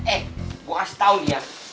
eh gue harus tau ya